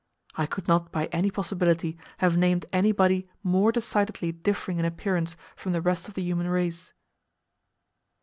I could not by any possibility have named anybody more decidedly differing in appearance from the rest of the human race.